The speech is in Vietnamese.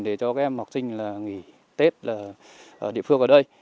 để cho các em học sinh nghỉ tết ở địa phương ở đây